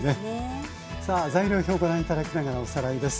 材料表ご覧頂きながらおさらいです。